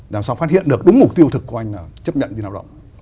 làm sao phát hiện được đúng mục tiêu thực của anh là chấp nhận như lao động